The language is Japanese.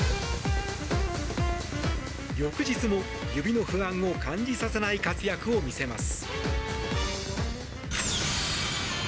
翌日も指の不安を感じさせない活躍を見せます。